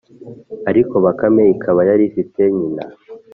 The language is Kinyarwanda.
ariko bakame ikaba yari ifite nyina.